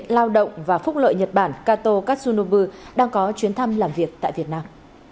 lao động và phúc lợi nhật bản kato kasunovu đang có chuyến thăm làm việc tại việt nam